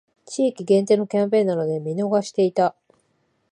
地域限定のキャンペーンなので見逃していた